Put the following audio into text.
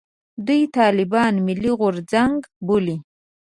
دوی طالبان «ملي غورځنګ» بولي.